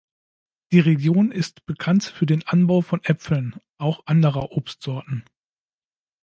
Die Region ist bekannt für den Anbau von Äpfeln, auch anderer Obstsorten.